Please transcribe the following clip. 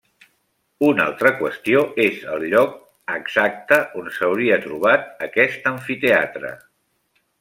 Una altra qüestió és el lloc exacte on s'hauria trobat aquest amfiteatre.